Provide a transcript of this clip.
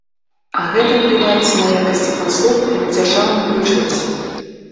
А гэта адбіваецца на якасці паслуг і на дзяржаўным бюджэце.